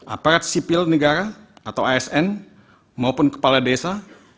aparat sipil negara atau asn maupun kepala desa